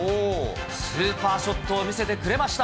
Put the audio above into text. スーパーショットを見せてくれました。